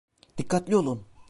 Dikkatli olun!